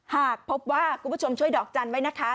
หากพบว่าคุณผู้ชมช่วยดอกจันทร์ไว้นะคะ